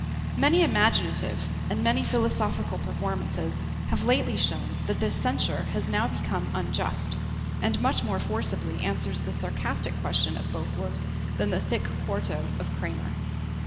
Many imaginative and many philosophical performances have lately shown that this censure has now become unjust; and much more forcibly answers the sarcastic question of Bohours than the thick quarto of Kramer.